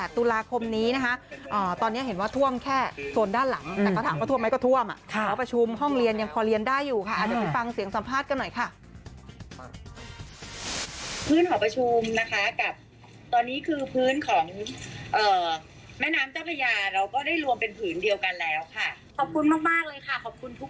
๒๘ตุลาคมนี้นะฮะตอนนี้เห็นว่าท่วมแค่โซนด้านหลังแต่ก็ถามว่าท่วมไหมก็ท่วมอ่ะห้องประชุมห้องเรียนยังพอเรียนได้อยู่ค่ะอาจจะฟังเสียงสัมภาษณ์กันหน่อยค่ะพื้นห้องประชุมนะคะกับตอนนี้คือพื้นของแม่น้ำเจ้าประยาเราก็ได้รวมเป็นพื้นเดียวกันแล้วค่ะขอบคุณมากเลยค่ะขอบคุณทุก